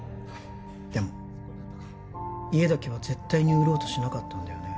でも家だけは絶対に売ろうとしなかったんだよね